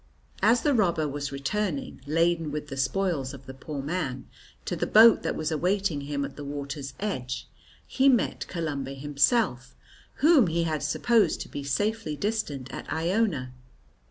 As the robber was returning, laden with the spoils of the poor man, to the boat that was awaiting him at the water's edge, he met Columba himself, whom he had supposed to be safely distant at Iona.